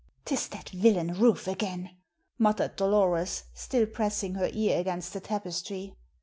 "'Tis that villain Rufe again!" muttered Dolores, still pressing her ear against the tapestry.